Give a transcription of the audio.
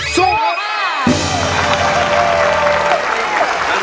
สู้ครับ